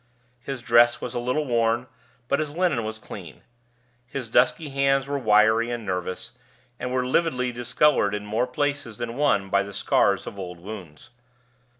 His dress was a little worn, but his linen was clean. His dusky hands were wiry and nervous, and were lividly discolored in more places than one by the scars of old wounds.